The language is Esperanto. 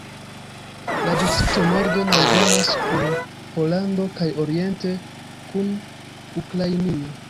La distrikto norde najbaras kun Pollando kaj oriente kun Ukrainio.